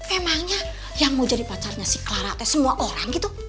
emangnya yang mau jadi pacarnya si clarate semua orang gitu